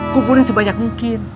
kumpulin sebanyak mungkin